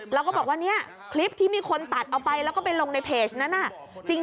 แล้วก็บอกว่าเนี่ยคลิปที่มีคนตัดเอาไปแล้วก็ไปลงในเพจนั้นน่ะ